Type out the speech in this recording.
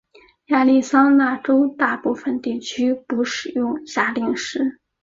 亚利桑那州大部分地区不使用夏令时。